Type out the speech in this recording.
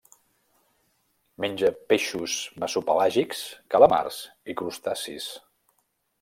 Menja peixos mesopelàgics, calamars i crustacis.